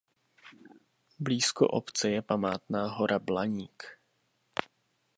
Blízko obce je památná hora Blaník.